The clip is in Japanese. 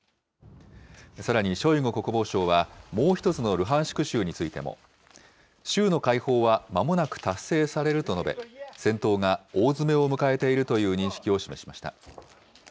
さらにショイグ国防相は、もう１つのルハンシク州についても、州の解放はまもなく達成されると述べ、戦闘が大詰めを迎えているという認識を示しました。